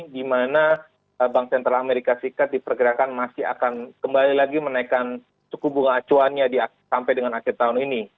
di mana bank central amerika serikat diperkirakan masih akan kembali lagi menaikkan suku bunga acuannya sampai dengan akhir tahun ini